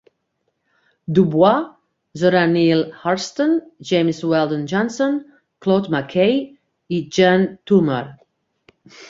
Du Bois, Zora Neale Hurston, James Weldon Johnson, Claude McKay i Jean Toomer.